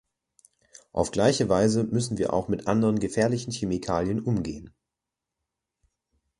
Auf gleiche Weise müssen wir auch mit anderen gefährlichen Chemikalien umgehen.